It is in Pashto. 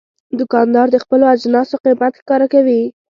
دوکاندار د خپلو اجناسو قیمت ښکاره کوي.